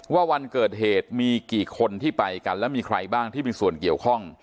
วันเกิดเหตุมีกี่คนที่ไปกันแล้วมีใครบ้างที่มีส่วนเกี่ยวข้อง